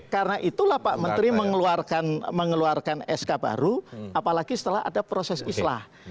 karena itulah pak menteri mengeluarkan sk baru apalagi setelah ada proses islah